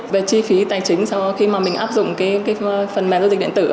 về chi phí tài chính sau khi mà mình áp dụng cái phần mềm giao dịch điện tử